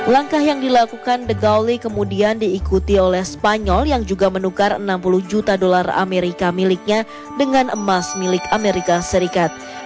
langkah yang dilakukan the galley kemudian diikuti oleh spanyol yang juga menukar enam puluh juta dolar amerika miliknya dengan emas milik amerika serikat